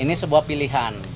ini sebuah pilihan